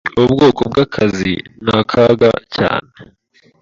Ubu bwoko bwakazi ni akaga cyane.